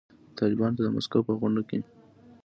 طالبانو ته د مسکو په غونډه کې